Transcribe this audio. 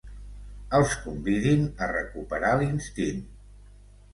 Els convidin a recuperar l'instint.